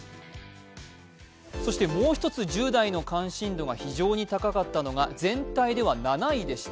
もう一つ１０代の関心度が非常に高かったのが全体では７位でした。